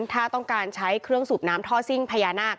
ถ้าต้องการใช้เครื่องสูบน้ำท่อซิ่งพญานาค